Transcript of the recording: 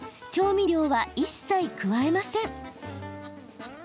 調味料は一切、加えません。